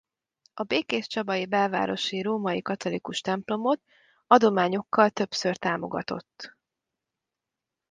A Békéscsabai Belvárosi Római Katolikus templomot adományokkal többször támogatott.